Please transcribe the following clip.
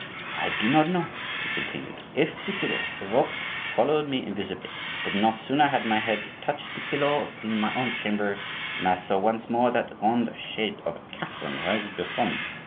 "I do not know," he continued, "if the Figure evoked followed me invisibly, but no sooner had my head touched the pillow in my own chamber than I saw once more that grand Shade of Catherine rise before me.